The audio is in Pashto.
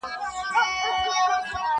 نور دي په لستوڼي کي په مار اعتبار مه کوه.!